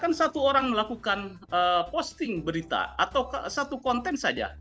ketika satu orang melakukan posting berita atau satu konten saja